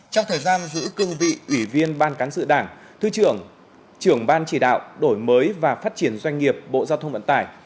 trong thời gian giữ cương vị ủy viên ban cán sự đảng thứ trưởng trưởng ban chỉ đạo đổi mới và phát triển doanh nghiệp bộ giao thông vận tải